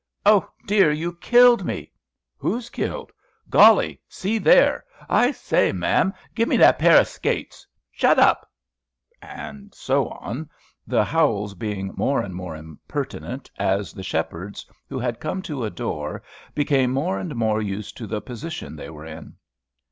"Oh, dear! you killed me!" "Who's killed?" "Golly! see there!" "I say, ma'am, give me that pair of skates!" "Shut up " and so on, the howls being more and more impertinent, as the shepherds who had come to adore became more and more used to the position they were in.